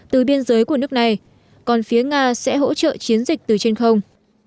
từ biên giới của nước này còn phía nga sẽ hỗ trợ chiến dịch từ trên không